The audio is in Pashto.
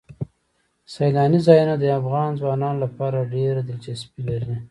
سیلاني ځایونه د افغان ځوانانو لپاره ډېره دلچسپي لري.